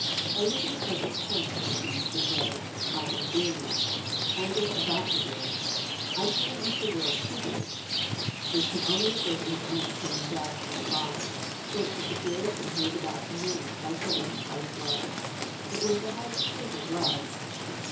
By nsing the present tense, He seems to say, I am doing it. I am just about to do it. I came into the world to do it." This can only refer to His own atoning death on the cross : the great propitiation He was about to make by shedding His life blood. It was the highest proof of love.